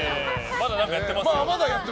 まだ何かやってますよ。